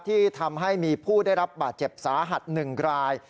ที่ทำให้มีผู้ได้รับบาดเจ็บสาหัส๑ราย